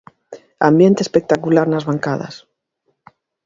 Ambiente espectacular nas bancadas.